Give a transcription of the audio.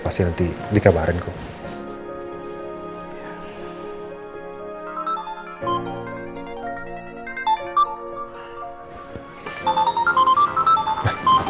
pasti nanti dikabarin kok